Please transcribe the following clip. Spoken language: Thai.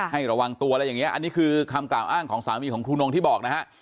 ให้ระวังตัวอะไรอย่างนี้อันนี้คือคำกล่าวอ้างของสามีของครูนงที่บอกนะฮะ